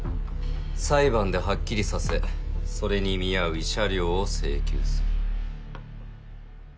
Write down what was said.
裁判でハッキリさせそれに見合う慰謝料を請求する。